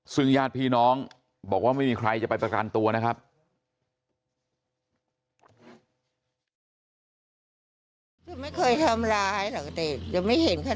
ซึ่งญาติพี่น้องบอกว่าไม่มีใครจะไปประกันตัวนะครับ